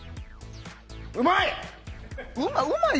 うまい！